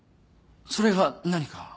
それが何か？